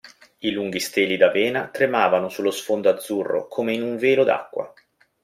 I lunghi steli d'avena tremavano sullo sfondo azzurro come in un velo d'acqua.